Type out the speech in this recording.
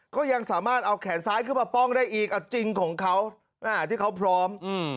ก็ยังสามารถเอาแขนซ้ายขึ้นมาป้องได้อีกอ่ะจริงของเขาที่เขาพร้อม